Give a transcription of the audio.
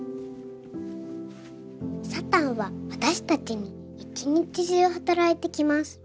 サタンは私たちに一日中働いてきます。